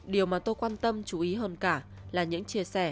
điều mà tôi quan tâm chú ý hơn cả là những chia sẻ